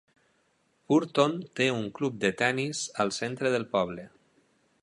Purton té un club de tennis al centre del poble.